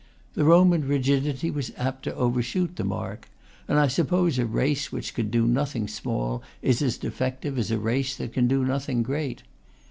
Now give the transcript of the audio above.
The Roman rigidity was apt to overshoot the mark, and I suppose a race which could do nothing small is as defective as a race that can do nothing great.